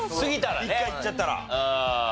一回いっちゃったら。